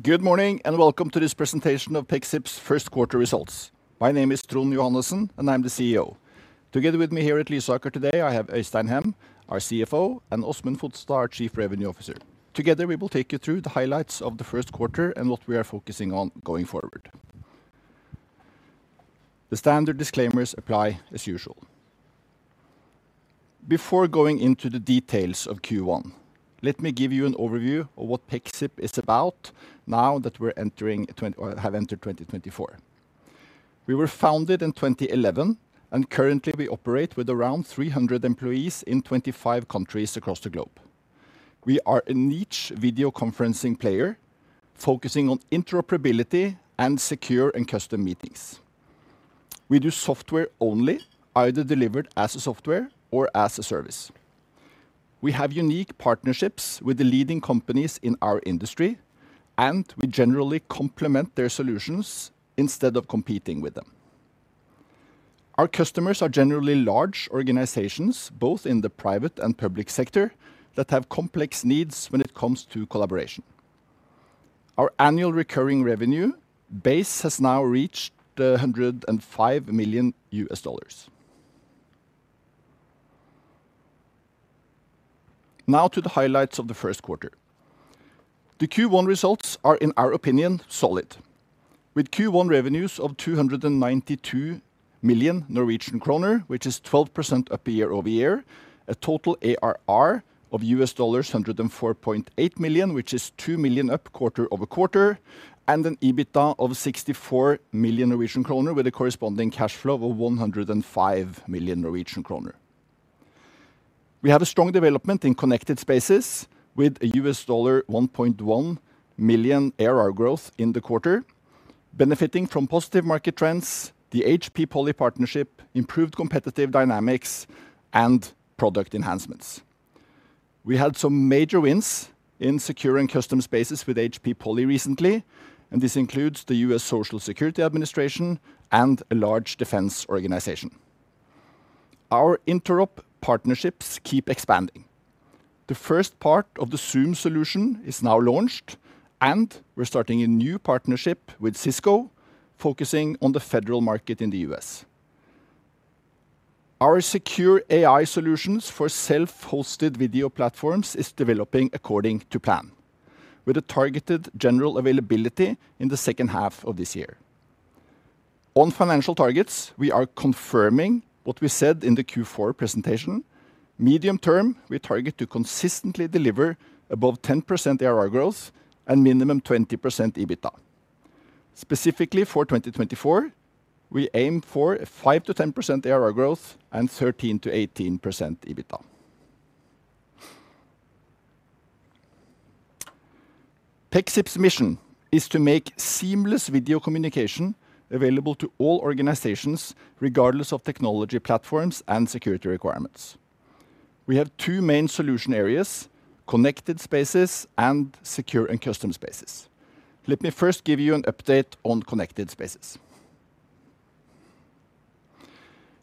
Good morning, and welcome to this presentation of Pexip's first quarter results. My name is Trond Johannessen, and I'm the CEO. Together with me here at Lysaker today, I have Øystein Hem, our CFO, and Åsmund Fodstad, our Chief Revenue Officer. Together, we will take you through the highlights of the first quarter and what we are focusing on going forward. The standard disclaimers apply as usual. Before going into the details of Q1, let me give you an overview of what Pexip is about now that we have entered 2024. We were founded in 2011, and currently, we operate with around 300 employees in 25 countries across the globe. We are a niche video conferencing player, focusing on interoperability and secure and custom meetings. We do software only, either delivered as a software or as a service. We have unique partnerships with the leading companies in our industry, and we generally complement their solutions instead of competing with them. Our customers are generally large organizations, both in the private and public sector, that have complex needs when it comes to collaboration. Our annual recurring revenue base has now reached $105 million. Now to the highlights of the first quarter. The Q1 results are, in our opinion, solid, with Q1 revenues of 292 million Norwegian kroner, which is 12% up year-over-year, a total ARR of $104.8 million, which is $2 million up quarter-over-quarter, and an EBITDA of 64 million Norwegian kroner, with a corresponding cash flow of 105 million Norwegian kroner. We have a strong development in Connected Spaces with a $1.1 million ARR growth in the quarter, benefiting from positive market trends, the HP Poly partnership, improved competitive dynamics, and product enhancements. We had some major wins in Secure and Custom Spaces with HP Poly recently, and this includes the U.S. Social Security Administration and a large defense organization. Our interop partnerships keep expanding. The first part of the Zoom solution is now launched, and we're starting a new partnership with Cisco, focusing on the federal market in the U.S. Our secure AI solutions for self-hosted video platforms is developing according to plan, with a targeted general availability in the second half of this year. On financial targets, we are confirming what we said in the Q4 presentation. Medium term, we target to consistently deliver above 10% ARR growth and minimum 20% EBITDA. Specifically for 2024, we aim for 5%-10% ARR growth and 13%-18% EBITDA. Pexip's mission is to make seamless video communication available to all organizations, regardless of technology platforms and security requirements. We have two main solution areas: Connected Spaces and Secure and Custom Spaces. Let me first give you an update on Connected Spaces.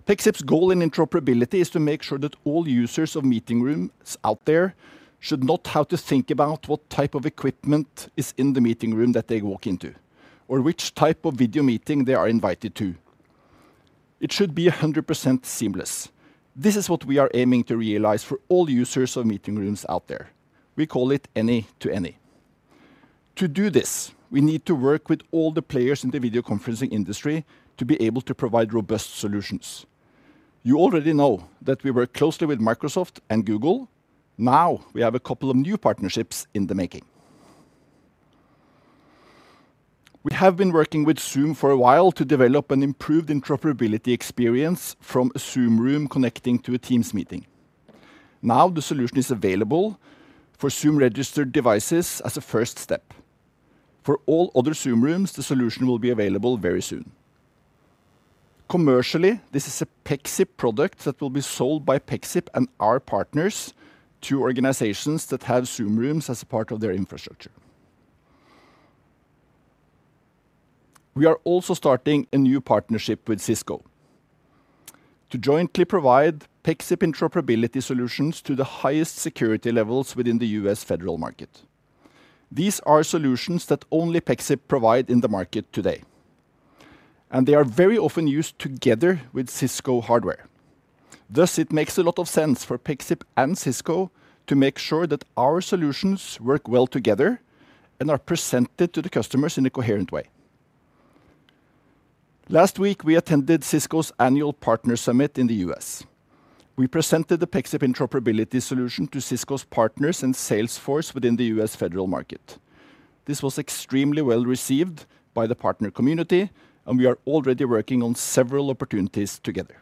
Pexip's goal in interoperability is to make sure that all users of meeting rooms out there should not have to think about what type of equipment is in the meeting room that they walk into or which type of video meeting they are invited to. It should be 100% seamless. This is what we are aiming to realize for all users of meeting rooms out there. We call it any-to-any. To do this, we need to work with all the players in the video conferencing industry to be able to provide robust solutions. You already know that we work closely with Microsoft and Google. Now, we have a couple of new partnerships in the making. We have been working with Zoom for a while to develop an improved interoperability experience from a Zoom Room connecting to a Teams meeting. Now, the solution is available for Zoom-registered devices as a first step. For all other Zoom Rooms, the solution will be available very soon. Commercially, this is a Pexip product that will be sold by Pexip and our partners to organizations that have Zoom Rooms as a part of their infrastructure. We are also starting a new partnership with Cisco to jointly provide Pexip interoperability solutions to the highest security levels within the U.S. federal market. These are solutions that only Pexip provide in the market today, and they are very often used together with Cisco hardware. Thus, it makes a lot of sense for Pexip and Cisco to make sure that our solutions work well together and are presented to the customers in a coherent way. Last week, we attended Cisco's annual partner summit in the U.S. We presented the Pexip interoperability solution to Cisco's partners and sales force within the U.S. federal market. This was extremely well received by the partner community, and we are already working on several opportunities together.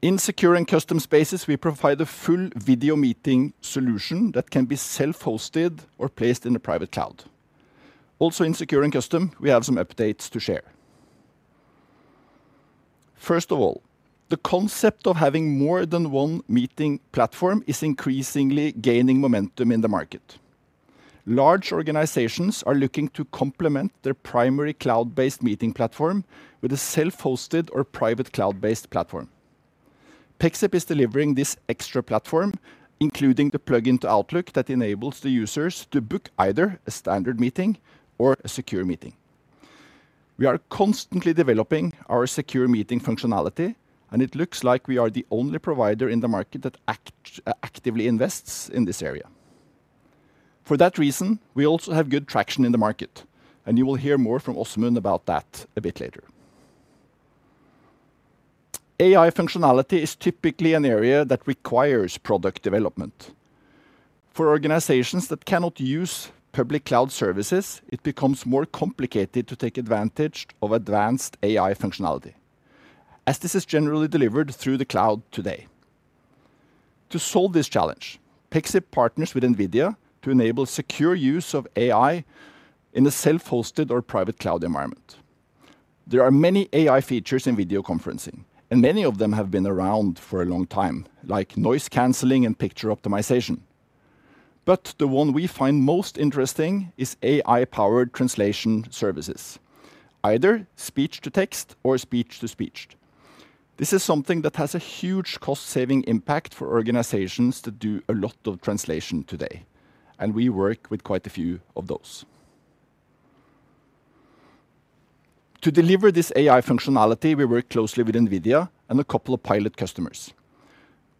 In Secure & Custom Spaces, we provide a full video meeting solution that can be self-hosted or placed in a private cloud. Also, in Secure & Custom, we have some updates to share. First of all, the concept of having more than one meeting platform is increasingly gaining momentum in the market. Large organizations are looking to complement their primary cloud-based meeting platform with a self-hosted or private cloud-based platform. Pexip is delivering this extra platform, including the plug-in to Outlook that enables the users to book either a standard meeting or a secure meeting. We are constantly developing our secure meeting functionality, and it looks like we are the only provider in the market that actively invests in this area. For that reason, we also have good traction in the market, and you will hear more from Åsmund about that a bit later. AI functionality is typically an area that requires product development. For organizations that cannot use public cloud services, it becomes more complicated to take advantage of advanced AI functionality, as this is generally delivered through the cloud today. To solve this challenge, Pexip partners with NVIDIA to enable secure use of AI in a self-hosted or private cloud environment. There are many AI features in video conferencing, and many of them have been around for a long time, like noise canceling and picture optimization. But the one we find most interesting is AI-powered translation services, either speech-to-text or speech-to-speech. This is something that has a huge cost-saving impact for organizations to do a lot of translation today, and we work with quite a few of those. To deliver this AI functionality, we work closely with NVIDIA and a couple of pilot customers.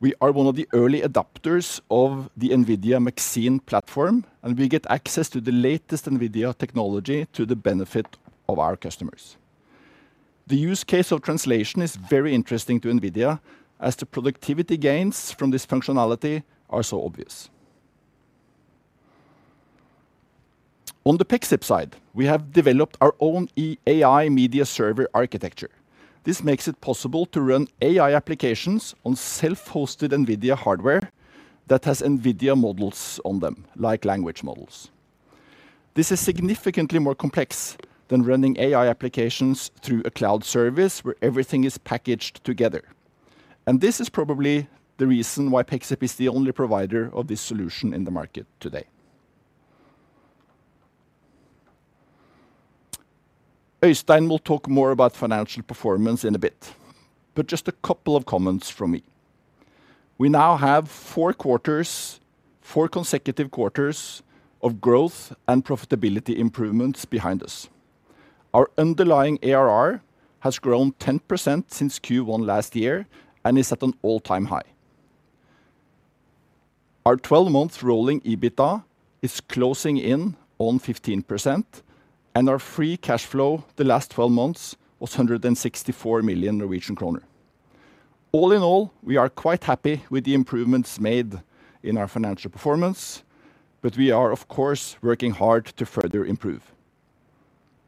We are one of the early adopters of the NVIDIA Maxine platform, and we get access to the latest NVIDIA technology to the benefit of our customers. The use case of translation is very interesting to NVIDIA, as the productivity gains from this functionality are so obvious. On the Pexip side, we have developed our own AI media server architecture. This makes it possible to run AI applications on self-hosted NVIDIA hardware that has NVIDIA models on them, like language models. This is significantly more complex than running AI applications through a cloud service where everything is packaged together, and this is probably the reason why Pexip is the only provider of this solution in the market today. Øystein will talk more about financial performance in a bit, but just a couple of comments from me. We now have four quarters, four consecutive quarters of growth and profitability improvements behind us. Our underlying ARR has grown 10% since Q1 last year and is at an all-time high. Our 12-month rolling EBITDA is closing in on 15%, and our free cash flow the last 12 months was 164 million Norwegian kroner. All in all, we are quite happy with the improvements made in our financial performance, but we are, of course, working hard to further improve.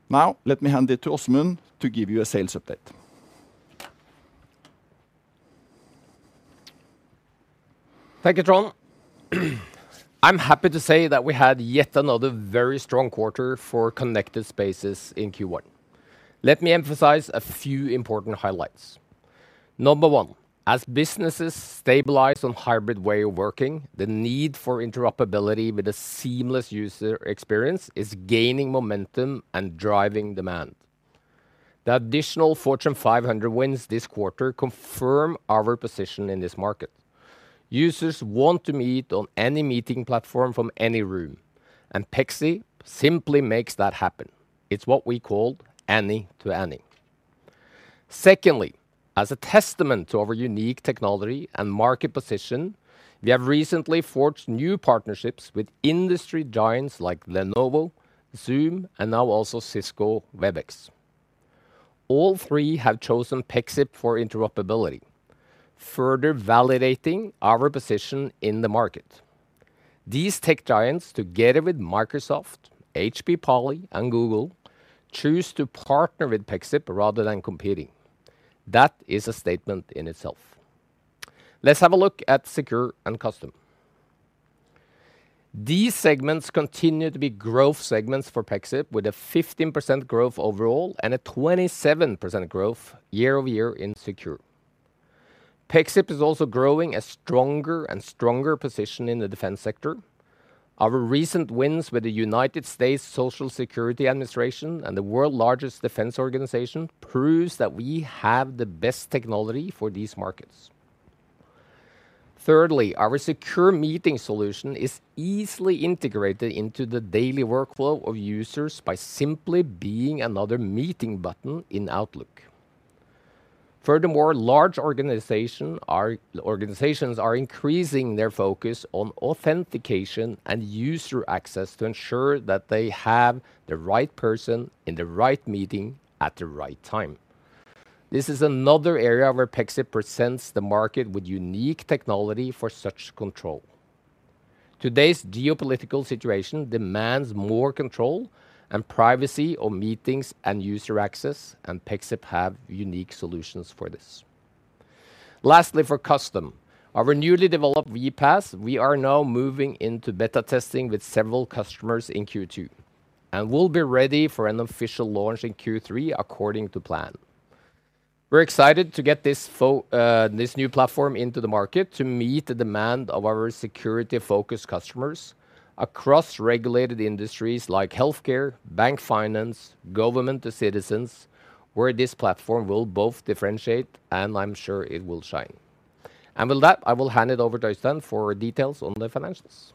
Now, let me hand it to Åsmund to give you a sales update. Thank you, Trond. I'm happy to say that we had yet another very strong quarter for Connected Spaces in Q1. Let me emphasize a few important highlights. Number one, as businesses stabilize on hybrid way of working, the need for interoperability with a seamless user experience is gaining momentum and driving demand. The additional Fortune 500 wins this quarter confirm our position in this market. Users want to meet on any meeting platform from any room, and Pexip simply makes that happen. It's what we call any-to-any. Secondly, as a testament to our unique technology and market position, we have recently forged new partnerships with industry giants like Lenovo, Zoom, and now also Cisco Webex. All three have chosen Pexip for interoperability, further validating our position in the market. These tech giants, together with Microsoft, HP Poly, and Google, choose to partner with Pexip rather than competing. That is a statement in itself. Let's have a look at Secure and Custom. These segments continue to be growth segments for Pexip, with a 15% growth overall and a 27% growth year-over-year in Secure. Pexip is also growing a stronger and stronger position in the defense sector. Our recent wins with the United States Social Security Administration and the world's largest defense organization proves that we have the best technology for these markets. Thirdly, our secure meeting solution is easily integrated into the daily workflow of users by simply being another meeting button in Outlook. Furthermore, large organizations are increasing their focus on authentication and user access to ensure that they have the right person in the right meeting at the right time. This is another area where Pexip presents the market with unique technology for such control. Today's geopolitical situation demands more control and privacy of meetings and user access, and Pexip have unique solutions for this. Lastly, for Custom, our newly developed VPaaS, we are now moving into beta testing with several customers in Q2 and will be ready for an official launch in Q3 according to plan. We're excited to get this new platform into the market to meet the demand of our security-focused customers across regulated industries like healthcare, bank finance, government to citizens, where this platform will both differentiate, and I'm sure it will shine. With that, I will hand it over to Øystein for details on the financials.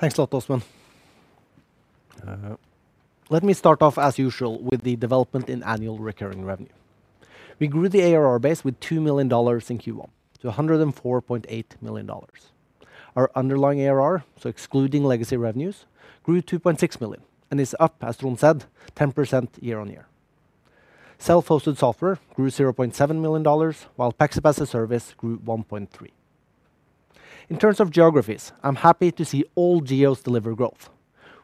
Thanks a lot, Åsmund. Let me start off, as usual, with the development in annual recurring revenue. We grew the ARR base with $2 million in Q1, to $104.8 million. Our underlying ARR, so excluding legacy revenues, grew $2.6 million and is up, as Trond said, 10% year-on-year. Self-hosted software grew $0.7 million, while Pexip as a service grew $1.3 million. In terms of geographies, I'm happy to see all geos deliver growth,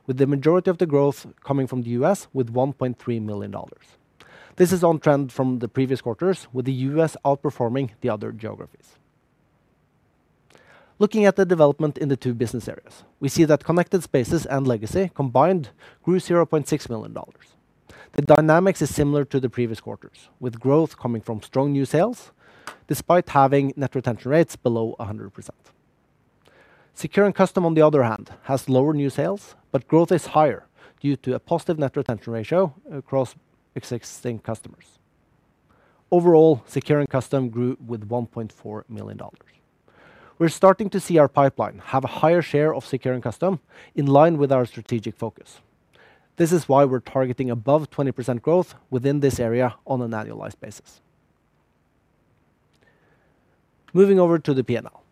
with the majority of the growth coming from the U.S., with $1.3 million. This is on trend from the previous quarters, with the U.S. outperforming the other geographies. Looking at the development in the two business areas, we see that Connected Spaces and legacy combined grew $0.6 million. The dynamics is similar to the previous quarters, with growth coming from strong new sales, despite having net retention rates below 100%. Secure and custom, on the other hand, has lower new sales, but growth is higher due to a positive net retention ratio across existing customers. Overall, secure and custom grew with $1.4 million. We're starting to see our pipeline have a higher share of secure and custom, in line with our strategic focus. This is why we're targeting above 20% growth within this area on an annualized basis. Moving over to the P&L.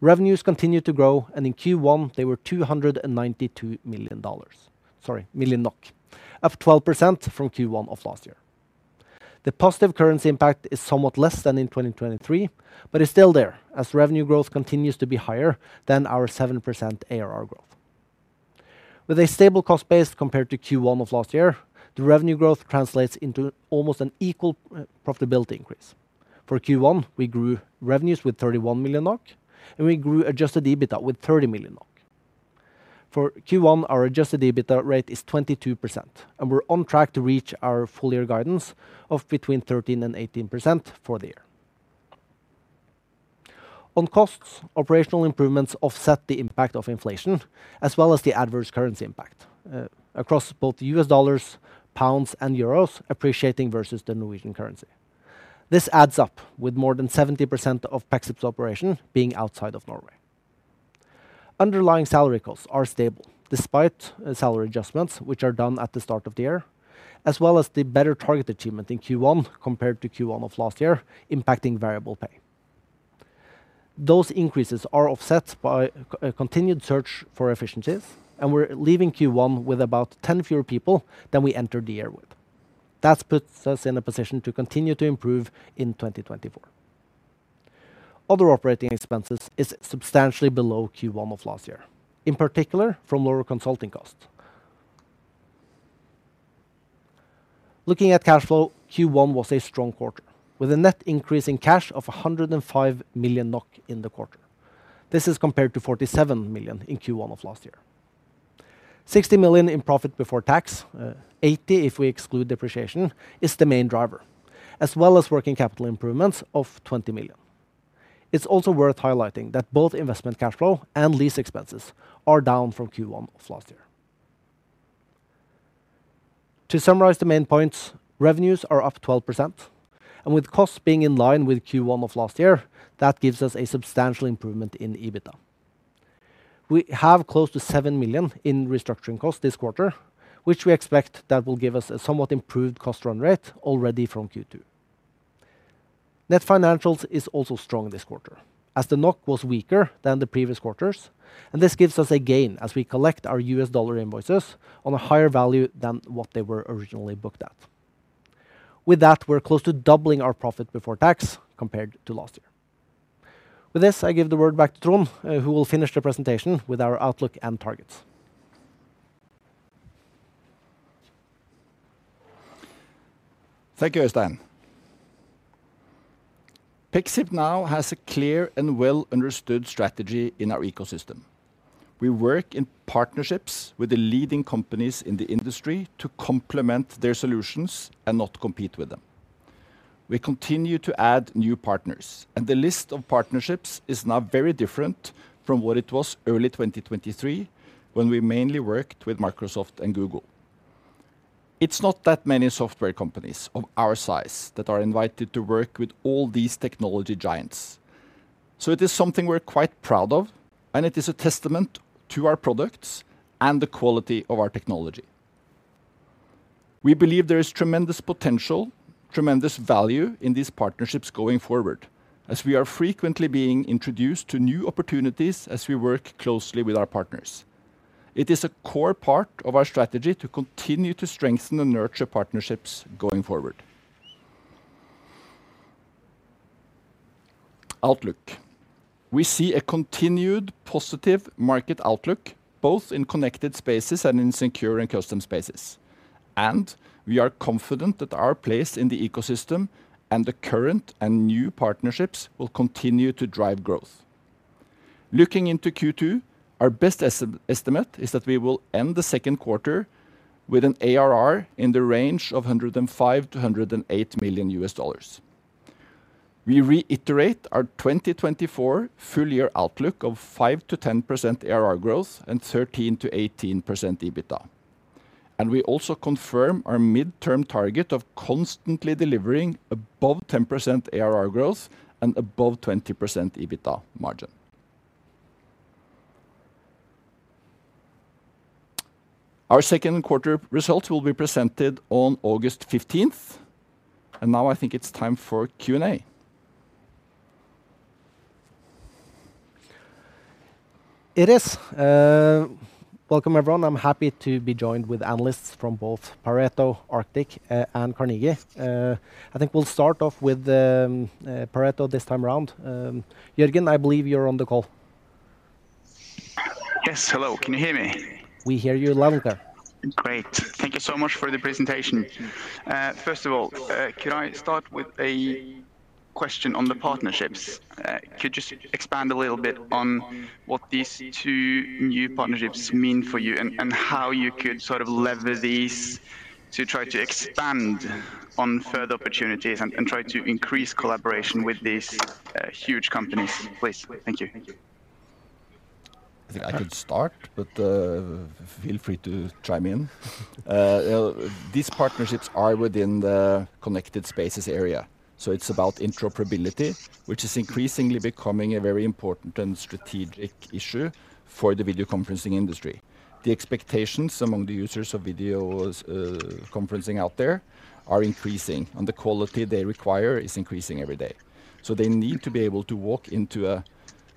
Revenues continued to grow, and in Q1, they were $292 million. Sorry, 292 million NOK, up 12% from Q1 of last year. The positive currency impact is somewhat less than in 2023, but it's still there, as revenue growth continues to be higher than our 7% ARR growth. With a stable cost base compared to Q1 of last year, the revenue growth translates into almost an equal profitability increase. For Q1, we grew revenues with 31 million NOK, and we grew adjusted EBITDA with 30 million NOK. For Q1, our adjusted EBITDA rate is 22%, and we're on track to reach our full-year guidance of between 13% and 18% for the year. On costs, operational improvements offset the impact of inflation, as well as the adverse currency impact across both the U.S. dollars, pounds, and euros, appreciating versus the Norwegian currency. This adds up, with more than 70% of Pexip's operation being outside of Norway. Underlying salary costs are stable, despite salary adjustments, which are done at the start of the year, as well as the better target achievement in Q1 compared to Q1 of last year, impacting variable pay. Those increases are offset by a continued search for efficiencies, and we're leaving Q1 with about 10 fewer people than we entered the year with. That puts us in a position to continue to improve in 2024. Other operating expenses is substantially below Q1 of last year, in particular from lower consulting costs. Looking at cash flow, Q1 was a strong quarter, with a net increase in cash of 105 million NOK in the quarter. This is compared to 47 million in Q1 of last year. 60 million in profit before tax, 80, if we exclude depreciation, is the main driver, as well as working capital improvements of 20 million. It's also worth highlighting that both investment cash flow and lease expenses are down from Q1 of last year. To summarize the main points, revenues are up 12%, and with costs being in line with Q1 of last year, that gives us a substantial improvement in the EBITDA. We have close to 7 million in restructuring costs this quarter, which we expect that will give us a somewhat improved cost run rate already from Q2. Net financials is also strong this quarter, as the NOK was weaker than the previous quarters, and this gives us a gain as we collect our U.S. dollar invoices on a higher value than what they were originally booked at. With that, we're close to doubling our profit before tax compared to last year. With this, I give the word back to Trond, who will finish the presentation with our outlook and targets. Thank you, Øystein. Pexip now has a clear and well-understood strategy in our ecosystem. We work in partnerships with the leading companies in the industry to complement their solutions and not compete with them. We continue to add new partners, and the list of partnerships is now very different from what it was early 2023, when we mainly worked with Microsoft and Google. It's not that many software companies of our size that are invited to work with all these technology giants, so it is something we're quite proud of, and it is a testament to our products and the quality of our technology. We believe there is tremendous potential, tremendous value in these partnerships going forward, as we are frequently being introduced to new opportunities as we work closely with our partners. It is a core part of our strategy to continue to strengthen and nurture partnerships going forward. Outlook. We see a continued positive market outlook, both in Connected Spaces and in secure and custom spaces, and we are confident that our place in the ecosystem and the current and new partnerships will continue to drive growth. Looking into Q2, our best estimate is that we will end the second quarter with an ARR in the range of $105 million-$108 million. We reiterate our 2024 full-year outlook of 5%-10% ARR growth and 13%-18% EBITDA. And we also confirm our midterm target of constantly delivering above 10% ARR growth and above 20% EBITDA margin. Our second quarter results will be presented on August 15th, and now I think it's time for Q&A. It is. Welcome, everyone. I'm happy to be joined with analysts from both Pareto, Arctic, and Carnegie. I think we'll start off with Pareto this time around. Jørgen, I believe you're on the call. Yes. Hello, can you hear me? We hear you louder. Great. Thank you so much for the presentation. First of all, could I start with a question on the partnerships? Could you just expand a little bit on what these two new partnerships mean for you, and, and how you could sort of leverage these to try to expand on further opportunities and, and try to increase collaboration with these, huge companies, please? Thank you. I think I could start, but feel free to chime in. Well, these partnerships are within the Connected Spaces area, so it's about interoperability, which is increasingly becoming a very important and strategic issue for the video conferencing industry. The expectations among the users of video conferencing out there are increasing, and the quality they require is increasing every day. So they need to be able to walk into a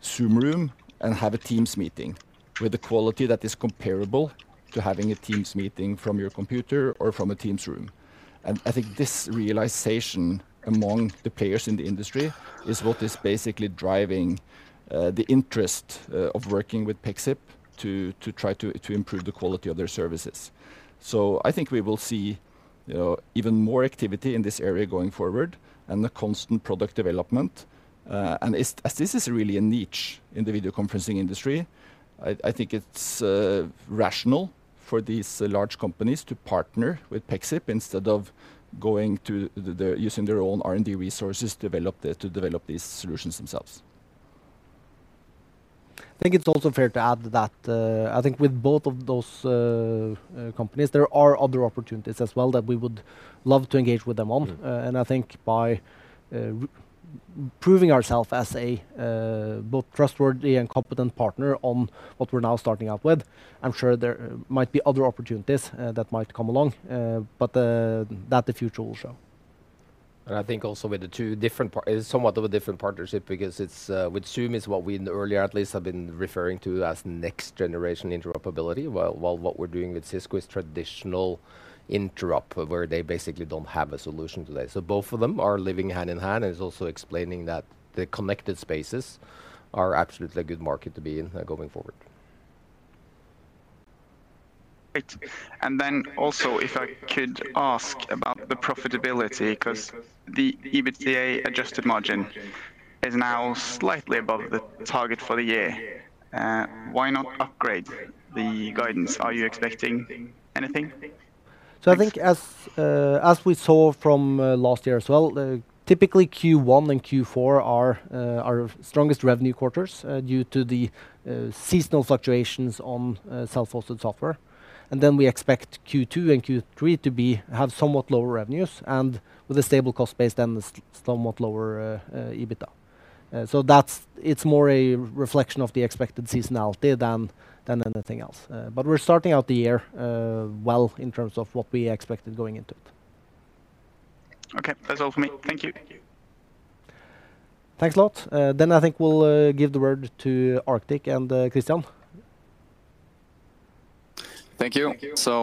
Zoom Room and have a Teams meeting, with a quality that is comparable to having a Teams meeting from your computer or from a Teams Room. And I think this realization among the players in the industry is what is basically driving the interest of working with Pexip to try to improve the quality of their services. So I think we will see, you know, even more activity in this area going forward and the constant product development. And as this is really a niche in the video conferencing industry, I think it's rational for these large companies to partner with Pexip instead of using their own R&D resources to develop these solutions themselves. I think it's also fair to add that, I think with both of those companies, there are other opportunities as well that we would love to engage with them on. I think by proving ourself as a both trustworthy and competent partner on what we're now starting out with, I'm sure there might be other opportunities that might come along. But the future will show. And I think also with the two different parts it's somewhat of a different partnership because it's with Zoom, is what we in the earlier at least have been referring to as next generation interoperability, while what we're doing with Cisco is traditional interop, where they basically don't have a solution today. So both of them are living hand-in-hand, and it's also explaining that the Connected Spaces are absolutely a good market to be in going forward. Great. And then also, if I could ask about the profitability, 'cause the EBITDA adjusted margin is now slightly above the target for the year. Why not upgrade the guidance? Are you expecting anything? So I think as, as we saw from, last year as well, typically, Q1 and Q4 are, our strongest revenue quarters, due to the, seasonal fluctuations on, self-hosted software. And then we expect Q2 and Q3 to be, have somewhat lower revenues, and with a stable cost base, then the somewhat lower, EBITDA. So that's. It's more a reflection of the expected seasonality than, than anything else. But we're starting out the year, well, in terms of what we expected going into it. Okay. That's all for me. Thank you. Thanks a lot. Then I think we'll give the word to Arctic and Kristian. Thank you. So,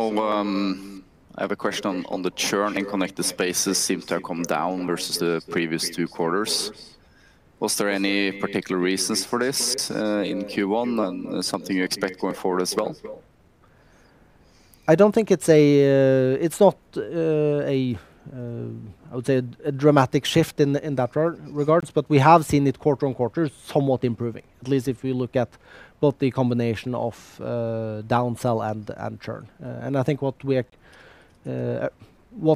I have a question on, on the churn in Connected Spaces seem to have come down versus the previous two quarters. Was there any particular reasons for this, in Q1 and something you expect going forward as well? I don't think it's a dramatic shift in that regard, but we have seen it quarter-over-quarter somewhat improving, at least if we look at both the combination of downsell and churn. And I think what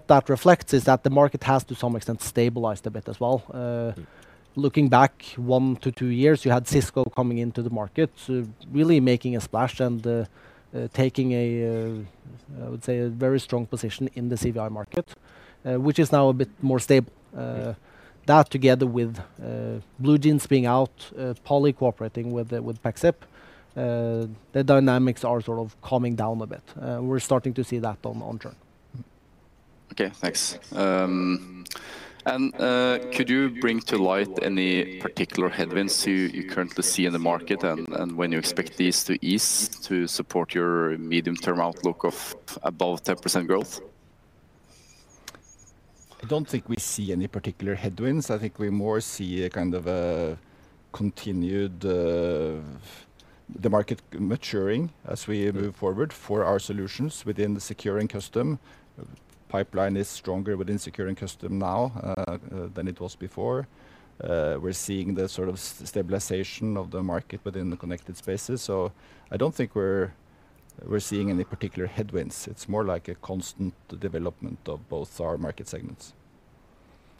that reflects is that the market has, to some extent, stabilized a bit as well. Looking back one to two years, you had Cisco coming into the market, so really making a splash and taking a, I would say, a very strong position in the CVI market, which is now a bit more stable. That together with BlueJeans being out, Poly cooperating with Pexip, the dynamics are sort of calming down a bit. We're starting to see that on churn. Okay, thanks. And could you bring to light any particular headwinds you currently see in the market, and when you expect these to ease to support your medium-term outlook of above 10% growth? I don't think we see any particular headwinds. I think we more see a kind of a continued, the market maturing as we move forward for our solutions within the secure and custom. Pipeline is stronger within secure and custom now, than it was before. We're seeing the sort of stabilization of the market within the Connected Spaces, so I don't think we're seeing any particular headwinds. It's more like a constant development of both our market segments.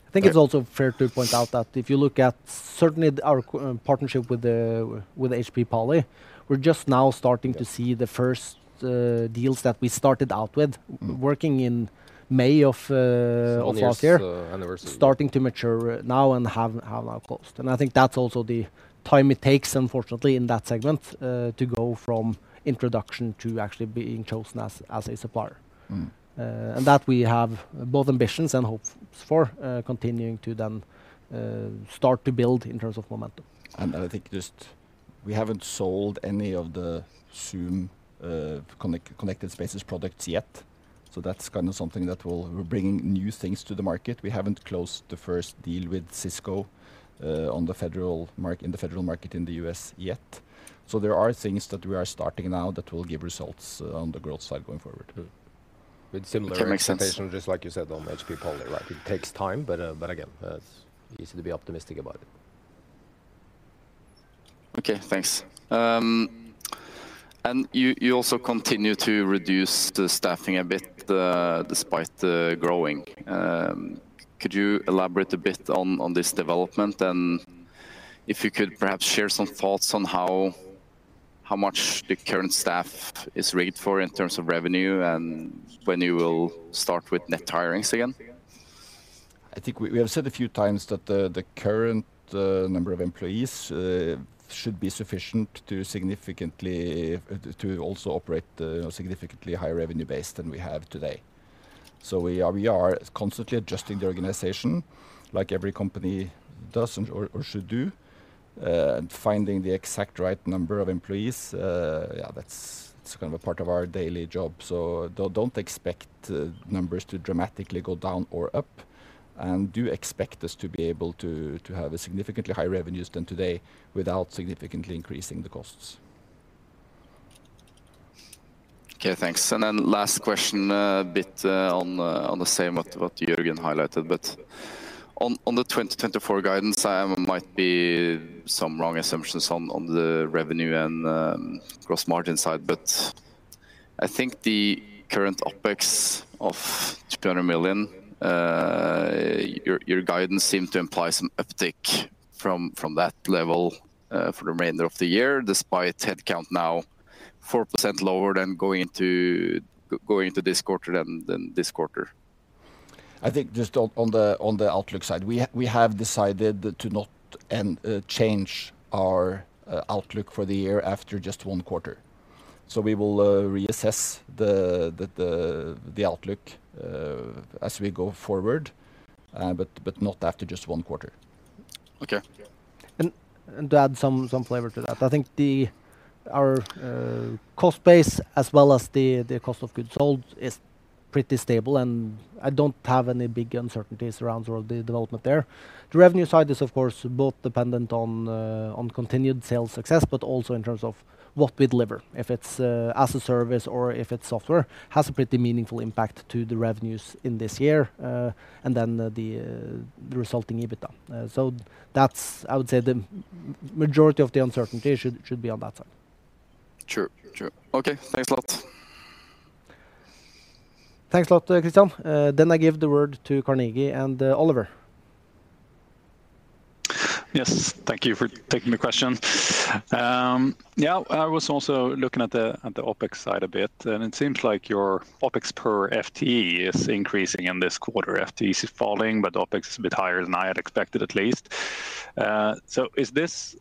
I think it's also fair to point out that if you look at certainly the, our partnership with the, with HP Poly, we're just now starting to see the first deals that we started out with working in May of last year. Anniversary. Starting to mature now and have now closed. I think that's also the time it takes, unfortunately, in that segment, to go from introduction to actually being chosen as a supplier. And that we have both ambitions and hopes for continuing to then start to build in terms of momentum. I think just we haven't sold any of the Zoom Connected Spaces products yet, so that's kind of something that will. We're bringing new things to the market. We haven't closed the first deal with Cisco on the federal market in the U.S. yet. So there are things that we are starting now that will give results on the growth side going forward. With similar, That makes sense. Just like you said on HP Poly, right? It takes time, but, but again, it's easy to be optimistic about it. Okay, thanks. You also continue to reduce the staffing a bit, despite the growing. Could you elaborate a bit on this development? If you could perhaps share some thoughts on how much the current staff is rated for in terms of revenue, and when you will start with net hirings again? I think we have said a few times that the current number of employees should be sufficient to significantly, to also operate, you know, significantly higher revenue base than we have today. So we are constantly adjusting the organization, like every company does and or should do. And finding the exact right number of employees, yeah, that's, it's kind of a part of our daily job. So don't expect numbers to dramatically go down or up, and do expect us to be able to have a significantly higher revenues than today without significantly increasing the costs. Okay, thanks. Then last question, a bit on the same, what Jørgen highlighted. But on the 2024 guidance, might be some wrong assumptions on the revenue and gross margin side, but I think the current OpEx of 200 million, your guidance seemed to imply some uptick from that level for the remainder of the year, despite headcount now 4% lower than going into this quarter. I think just on the outlook side, we have decided to not change our outlook for the year after just one quarter. So we will reassess the outlook as we go forward, but not after just one quarter. Okay. To add some flavor to that, I think our cost base as well as the cost of goods sold is pretty stable, and I don't have any big uncertainties around the development there. The revenue side is, of course, both dependent on continued sales success, but also in terms of what we deliver. If it's as a service or if it's software, has a pretty meaningful impact to the revenues in this year, and then the resulting EBITDA. So that's, I would say, the majority of the uncertainty should be on that side. Sure, sure. Okay, thanks a lot. Thanks a lot, Kristian. Then I give the word to Carnegie and Oliver. Yes, thank you for taking the question. Yeah, I was also looking at the, at the OpEx side a bit, and it seems like your OpEx per FTE is increasing in this quarter. FTE is falling, but OpEx is a bit higher than I had expected, at least. So is this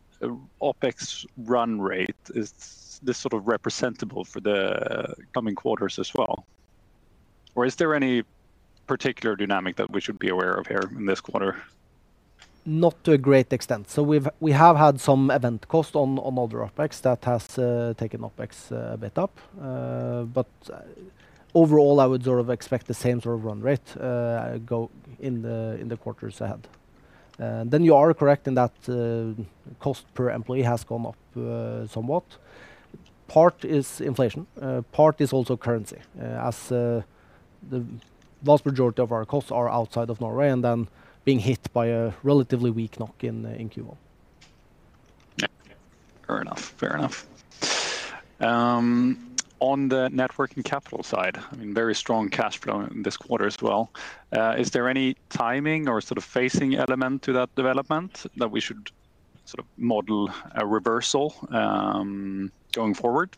OpEx run rate, is this sort of representable for the coming quarters as well? Or is there any particular dynamic that we should be aware of here in this quarter? Not to a great extent. So we've, we have had some event cost on, on other OpEx that has taken OpEx a bit up. But overall, I would sort of expect the same sort of run rate go in the, in the quarters ahead. Then you are correct in that cost per employee has gone up somewhat. Part is inflation, part is also currency, as the vast majority of our costs are outside of Norway and then being hit by a relatively weak NOK in Q1. Yeah. Fair enough, fair enough. On the net working capital side, I mean, very strong cash flow in this quarter as well. Is there any timing or sort of phasing element to that development that we should sort of model a reversal, going forward?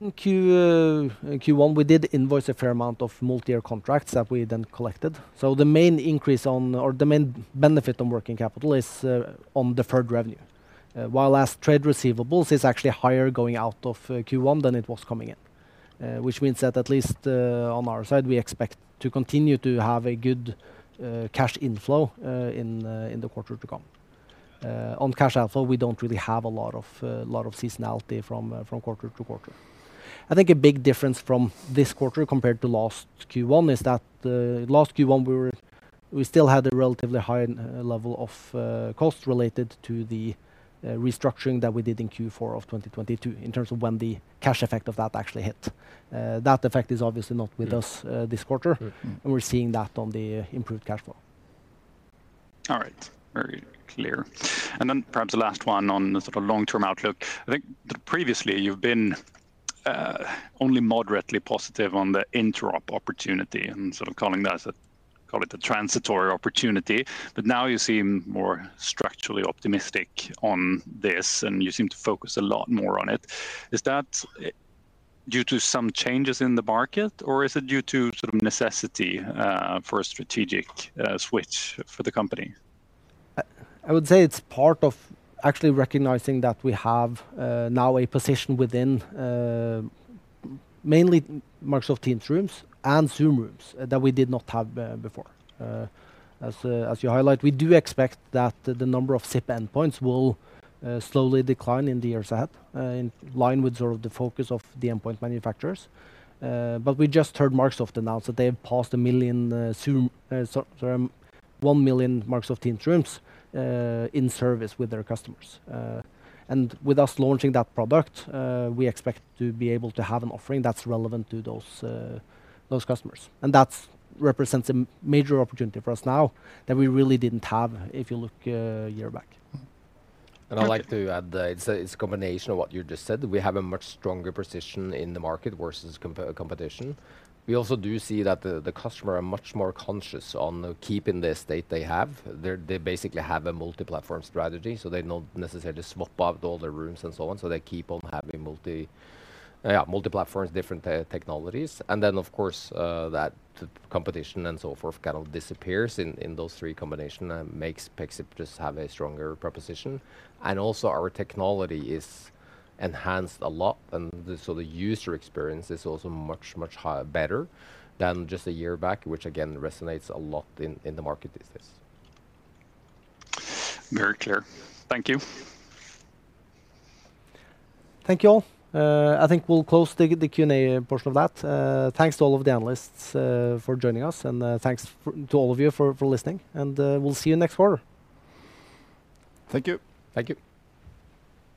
In Q1, we did invoice a fair amount of multi-year contracts that we then collected. So the main increase on, or the main benefit on working capital is, on deferred revenue. While as trade receivables is actually higher going out of Q1 than it was coming in, which means that at least, on our side, we expect to continue to have a good cash inflow in the quarter to come. On cash outflow, we don't really have a lot of seasonality from quarter to quarter. I think a big difference from this quarter compared to last Q1 is that, last Q1, we still had a relatively high level of costs related to the restructuring that we did in Q4 of 2022, in terms of when the cash effect of that actually hit. That effect is obviously not with us this quarter. We're seeing that on the improved cash flow. All right, very clear. And then perhaps the last one on the sort of long-term outlook. I think previously, you've been only moderately positive on the interop opportunity, and sort of calling that a, call it a transitory opportunity. But now you seem more structurally optimistic on this, and you seem to focus a lot more on it. Is that due to some changes in the market, or is it due to sort of necessity for a strategic switch for the company? I would say it's part of actually recognizing that we have now a position within mainly Microsoft Teams Rooms and Zoom Rooms, that we did not have before. As you highlight, we do expect that the number of SIP endpoints will slowly decline in the years ahead, in line with sort of the focus of the endpoint manufacturers. But we just heard Microsoft announce that they have passed 1 million, Zoom, sorry, 1 million Microsoft Teams Rooms in service with their customers. And with us launching that product, we expect to be able to have an offering that's relevant to those those customers, and that's represents a major opportunity for us now that we really didn't have if you look a year back. And I'd like to add that it's a combination of what you just said. We have a much stronger position in the market versus competition. We also do see that the customer are much more conscious on keeping the estate they have. They basically have a multi-platform strategy, so they don't necessarily swap out all their rooms, and so on. So they keep on having multi-platforms, different technologies. And then, of course, that competition, and so forth, kind of disappears in those three combination and makes Pexip just have a stronger proposition. And also, our technology is enhanced a lot, and so the user experience is also much better than just a year back, which again resonates a lot in the market these days. Very clear. Thank you. Thank you, all. I think we'll close the Q&A portion of that. Thanks to all of the analysts for joining us, and thanks to all of you for listening, and we'll see you next quarter. Thank you. Thank you.